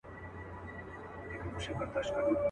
د پاچا لور وم پر طالب مینه سومه.